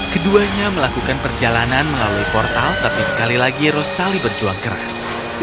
keduanya melakukan perjalanan melalui portal tapi sekali lagi rosali berjuang keras